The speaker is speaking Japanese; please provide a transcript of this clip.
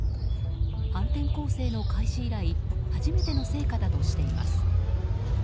反転攻勢の開始以来初めての成果だとしています。